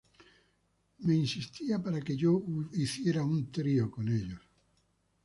Me insistía para que yo haga un trío con ellos.